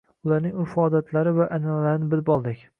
Ularning urf-odatlari va anʼanalarini bilib oldik.